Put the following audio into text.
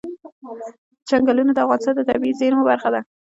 چنګلونه د افغانستان د طبیعي زیرمو برخه ده.